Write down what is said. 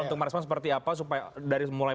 untuk merespon seperti apa supaya dari mulai